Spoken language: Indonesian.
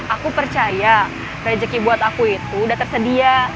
aku percaya rezeki buat aku itu udah tersedia